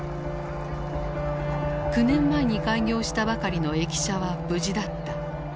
９年前に開業したばかりの駅舎は無事だった。